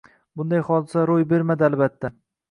Bunday hodisa roʻy bermadi, albatta.